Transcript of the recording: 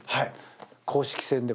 公式戦でも。